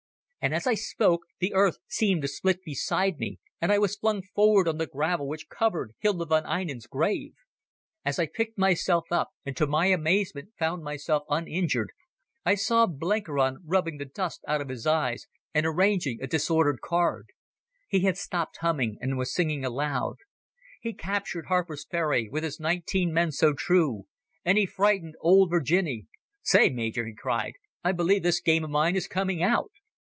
And as I spoke the earth seemed to split beside me, and I was flung forward on the gravel which covered Hilda von Einem's grave. As I picked myself up, and to my amazement found myself uninjured, I saw Blenkiron rubbing the dust out of his eyes and arranging a disordered card. He had stopped humming, and was singing aloud: "He captured Harper's Ferry, with his nineteen men so true And he frightened old Virginny ..." "Say, Major," he cried, "I believe this game of mine is coming out."